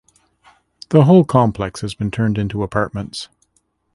The whole complex has been turned into apartments.